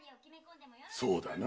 そうだな。